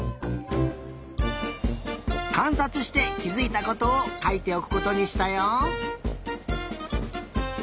かんさつしてきづいたことをかいておくことにしたよ。